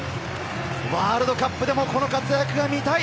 ワールドカップでもこの活躍が見たい！